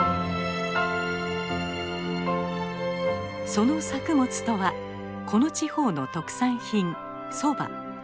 その作物とはこの地方の特産品そば。